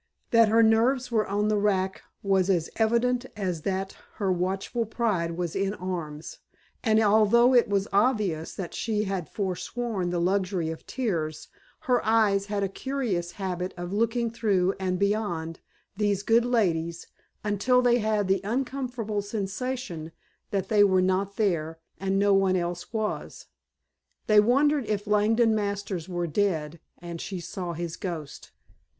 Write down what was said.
That her nerves were on the rack was as evident as that her watchful pride was in arms, and although it was obvious that she had foresworn the luxury of tears, her eyes had a curious habit of looking through and beyond these good ladies until they had the uncomfortable sensation that they were not there and some one else was. They wondered if Langdon Masters were dead and she saw his ghost.